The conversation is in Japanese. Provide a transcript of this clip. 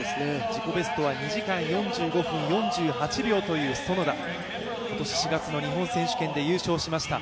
自己ベストは２時間４５分４８秒という園田今年４月の日本選手権で優勝しました。